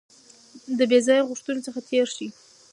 د بې ځایه غوښتنو څخه تېر شئ.